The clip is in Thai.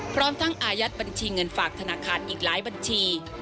พร้อมทั้งอายัดบัญชีเงินฝากธนาคารอีกหลายบัญชี